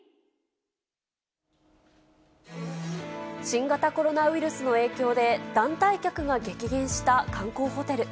新型コロナウイルスの影響で、団体客が激減した観光ホテル。